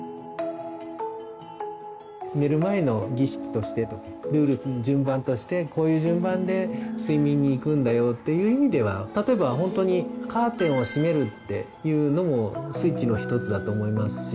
寝る前の儀式としてルール順番としてこういう順番で睡眠にいくんだよっていう意味では例えばほんとにカーテンをしめるっていうのもスイッチの一つだと思いますし。